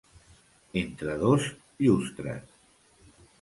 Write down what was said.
Entre dos llustres.